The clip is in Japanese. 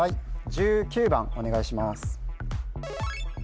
１９番お願いします